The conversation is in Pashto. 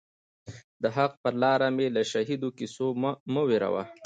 د حق پر لار می له شهیدو کیسو مه وېروه